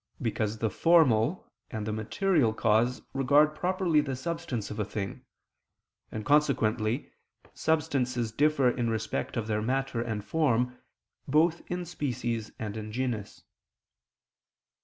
Because the formal and the material cause regard properly the substance of a thing; and consequently substances differ in respect of their matter and form, both in species and in genus.